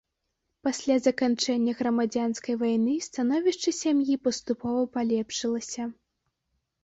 Пасля заканчэння грамадзянскай вайны становішча сям'і паступова палепшылася.